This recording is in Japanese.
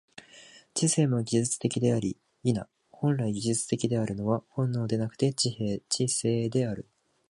知性も技術的であり、否、本来技術的であるのは本能でなくて知性である。